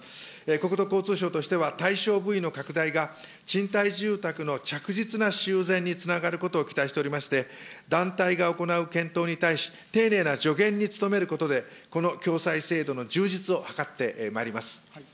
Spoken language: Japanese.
国土交通省としては、対象部位の拡大が、賃貸住宅の着実な修繕につながることを期待しておりまして、団体が行う検討に対し、丁寧な助言に努めることで、この共済制度の充実を図ってまいりま